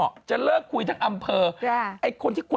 อยากกันเยี่ยม